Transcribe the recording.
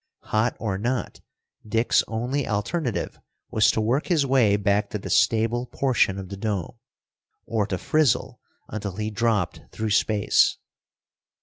Hot or not, Dick's only alternative was to work his way back to the stable portion of the dome, or to frizzle until he dropped through space.